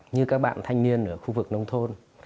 như các bạn thanh niên ở khu vực nông thôn